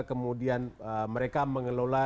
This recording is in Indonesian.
kemudian mereka mengelola